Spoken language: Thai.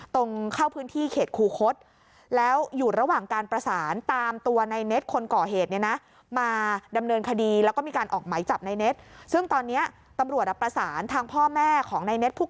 ตรงเข้าพื้นที่เขตครูคชแล้วอยู่ระหว่างการประสาน